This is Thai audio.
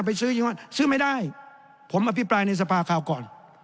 ไปซื้ออย่างนั้นซื้อไม่ได้ผมอภิปรายในสภาคราวก่อน